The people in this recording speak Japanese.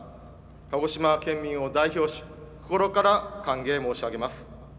鹿児島県民を代表し心から歓迎申し上げます。